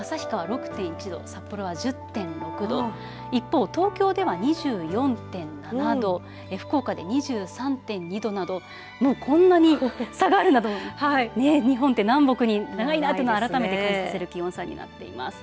６．１度札幌は１０．６度一方、東京では２４．７度福岡で２３．２度などもうこんなに差があるなと日本って南北に長いなって改めて感じさせる気温差になっています。